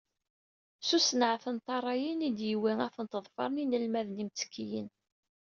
S usenɛet n tarrayin i d-yewwi ad tent-ḍefren yinelmaden imttekkiyen.